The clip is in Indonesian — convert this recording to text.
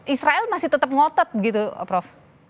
israel masih tetap ngotot gitu prof